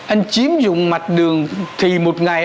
anh chiếm dụng mặt đường thì một ngày